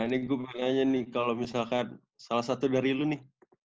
nah ini gue pengennya nih kalo misalkan salah satu dari lo nih